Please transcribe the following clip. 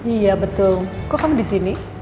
iya betul kok kamu di sini